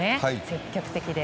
積極的で。